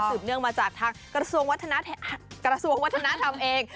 เนื่องมาจากทางกระทรวงวัฒนธรรมเอง